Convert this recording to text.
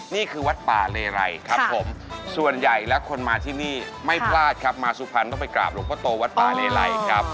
นี่คือวัดป่าเรย์ไหร่ครับผมส่วนใหญ่และคนมาที่นี่ไม่พลาดครับมาสุพรรณก็ไปกราบหลงโปรตัววัดป่าเรย์ไหร่ครับ